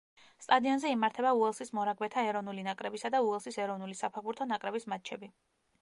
სტადიონზე იმართება უელსის მორაგბეთა ეროვნული ნაკრებისა და უელსის ეროვნული საფეხბურთო ნაკრების მატჩები.